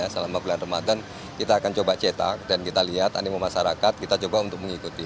selama bulan ramadan kita akan coba cetak dan kita lihat animo masyarakat kita coba untuk mengikuti